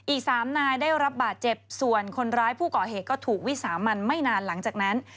อีกสามนายได้รับบาดเจ็บส่วนคนร้ายผู้ก่อเหตุก็ถูกวิสามันไม่นานหลังจากนั้น